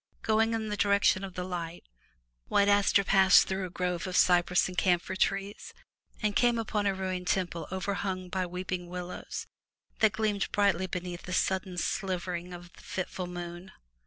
Going in the direction of the light. White Aster passed through a grove of cypress and camphor trees, and came upon a ruined temple overhung by weeping willows that gleamed brightly beneath a sudden silvering of the fitful moon.